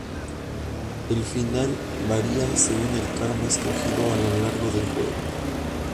El final varía según el karma escogido a lo largo del juego.